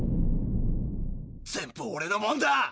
全部オレのもんだ！